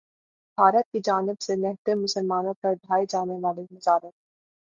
بھارت کی جانب سے نہتے مسلمانوں پر ڈھائے جانے والے مظالم